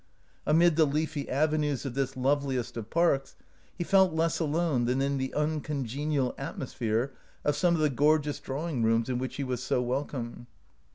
Amid the leafy avenues of this loveliest of parks he felt less alone than in the uncon genial atmosphere of some of the gorgeous drawing rooms in which he was so welcome.